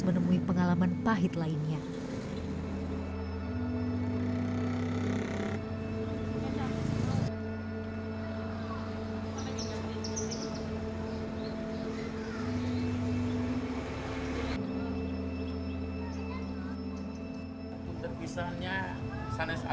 berbunyi dengan masalah hidup yang apa apa